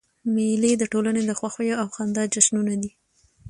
مېلې د ټولني د خوښیو او خندا جشنونه دي.